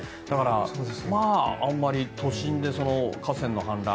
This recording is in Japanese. あまり都心で河川の氾濫